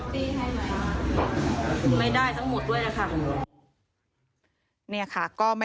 ที่วรรณารองสารวัตรสอบสวน